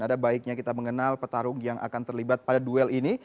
ada baiknya kita mengenal petarung yang akan terlibat pada duel ini